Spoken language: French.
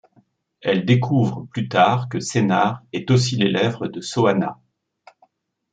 Elle découvre plus tard que Sennar est aussi l'élève de Soana.